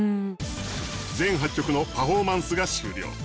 全８曲のパフォーマンスが終了。